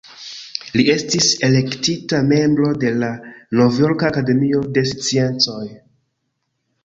Li estis elektita membro de la Novjorka Akademio de Sciencoj.